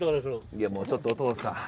いやもうちょっとお父さん。